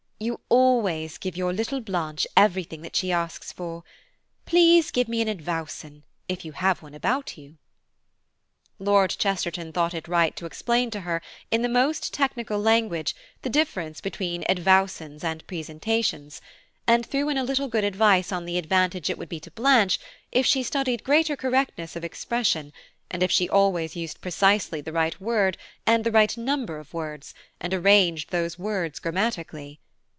You always give your little Blanche everything she asks for. Please give me an advowson if you have one about you." Lord Chesterton thought it right to explain to her in the most technical language the difference between advowsons and presentations, and threw in a little good advice on the advantage it would be to Blanche if she studied greater correctness of expression, and if she always used precisely the right word, and the right number of words, and arranged those words grammatically.